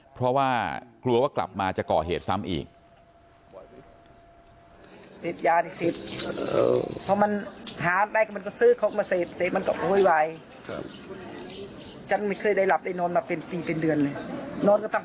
เมายาบ้าถือมีดมาครูจะฆ่าแม่บอกว่าแม่ไม่รักตัวเอง